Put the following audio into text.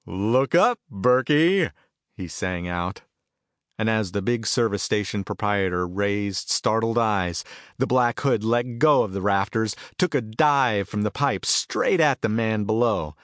"Look up, Burkey!" he sang out. And as the big service station proprietor raised startled eyes, the Black Hood let go of the rafters, took a dive from the pipe straight at the man below.